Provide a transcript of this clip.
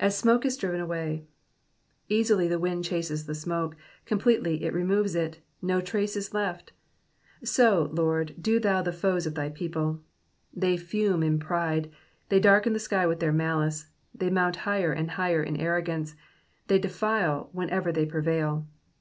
*M« amohe u dHven away,'''* Easily the "wind chases the smoke, com pletely it removes it, no trace is left ; so, Lord, do thou to the foes of thy people. They fume ia pride, they darken the sky with their malice, they mount higher and higher in arrogance, they defile wherever they prevail.